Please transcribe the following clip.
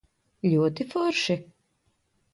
Ļoti forši?